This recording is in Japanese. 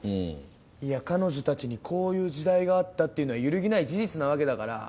いや彼女たちにこういう時代があったっていうのは揺るぎない事実なわけだから。